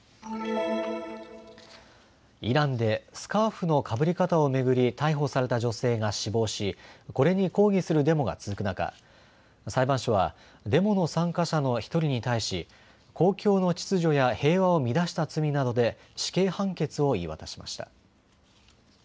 イランでスカーフのかぶり方を巡り逮捕された女性が死亡しこれに抗議するデモが続く中、裁判所はデモの参加者の１人に対し公共の秩序や平和を乱した罪などで死刑判決を言い渡しました。